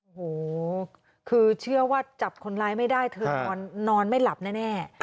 โอ้โหคือเชื่อว่าจับคนร้ายไม่ได้เธอนอนไม่หลับแน่